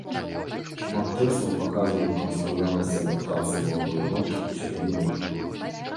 Шмат тэкстаў паказваюць нам складанасці адаптацыі маладой жонкі ў сям'і мужа.